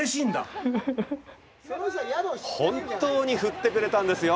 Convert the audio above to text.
本当に振ってくれたんですよ！